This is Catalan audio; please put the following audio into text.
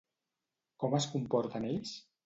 Com es comporten ells?